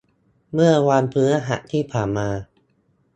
เมื่อวันพฤหัสที่ผ่านมา